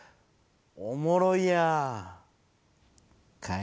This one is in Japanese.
おもろいやん！